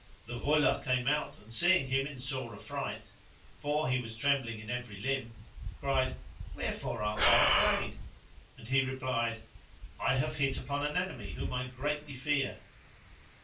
The Ghulah came out and seeing him in sore affright (for he was trembling in every limb? cried, "Wherefore art thou afraid?" and he replied, "I have hit upon an enemy whom I greatly fear."